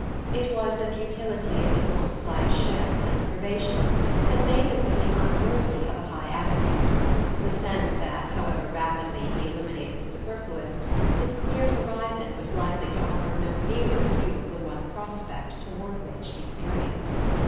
It was the futility of his multiplied shifts and privations that made them seem unworthy of a high attitude; the sense that, however rapidly he eliminated the superfluous, his cleared horizon was likely to offer no nearer view of the one prospect toward which he strained.